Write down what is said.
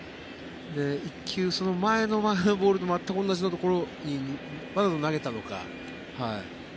１球、前の前のボールと全く同じところにわざと投げたのか。